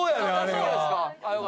そうですか。